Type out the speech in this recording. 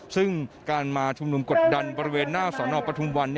ซึ่งการมาชุมนุมกดดันบริเวณหน้าสอนอปทุมวัน